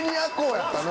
やったの？